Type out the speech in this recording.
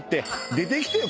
出ていきてえよ